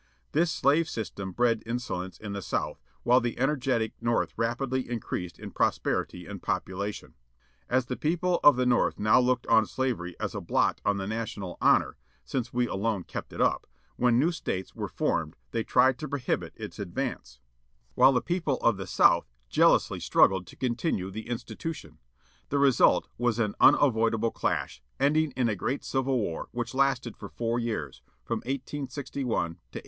This slave system bred insolence in the South, while the energetic North rapidly increased in prosperity and population. As the people of the North now looked on slavery as a blot on the national honour â since we v alone kept it up â ^when new states were formed they tried to prohibit /.*^ its advance. While the ^ 33 THE "monitor" and " MERRIMAC " BATTLE 34 GETTYSBURG, JULY 3. 1863 people of the South jealously struggled to continue the institution. The result was an unavoidable clash, ending in a great civil war which lasted for four years, from 1 86 1 to 1865.